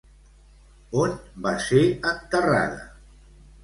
On va ser enterrada?